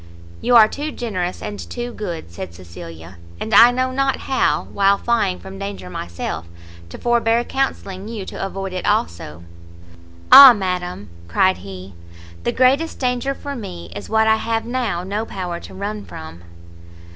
"You are too generous, and too good!" said Cecilia, "and I know not how, while flying from danger myself, to forbear counselling you to avoid it also." "Ah madam!" cried he, "the greatest danger for me is what I have now no power to run from!"